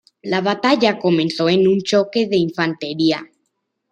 La batalla comenzó en un choque de infantería.